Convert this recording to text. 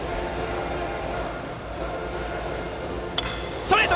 ストレート！